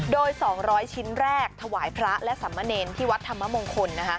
โดย๒๐๐ชิ้นแรกถวายพระและสามเณรที่วัดธรรมมงคล